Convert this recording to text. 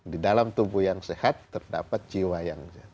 di dalam tubuh yang sehat terdapat jiwa yang sehat